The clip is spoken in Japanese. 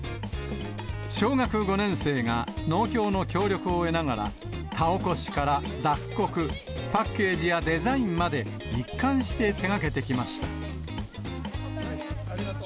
小学５年生が農協の協力を得ながら、田起こしから脱穀、パッケージやデザインまで、一貫して手掛けてきました。